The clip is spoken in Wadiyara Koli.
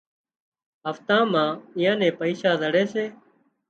هفتا مان اييئان نين پئيشا زڙي سي